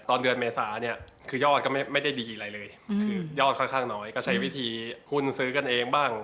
ตอนเดือนเมษาเนี่ยคือยอดก็ไม่ได้ดีอะไรเลยคือยอดค่อนข้างน้อยก็ใช้วิธีหุ้นซื้อกันเองบ้าง